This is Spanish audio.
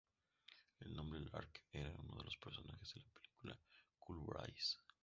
Su nombre, Lark, era el de un personaje de la película "Cool Breeze".